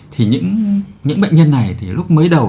thì những bệnh nhân này thì lúc mới đầu